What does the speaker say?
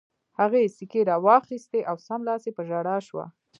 هغې سیکې را واخیستې او سملاسي په ژړا شوه